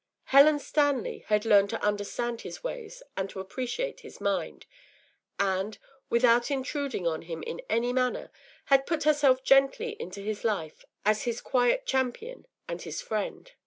Helen Stanley had learned to understand his ways and to appreciate his mind, and, without intruding on him in any manner, had put herself gently into his life as his quiet champion and his friend.